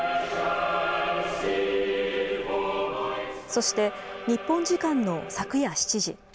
そして、日本時間の昨夜７時。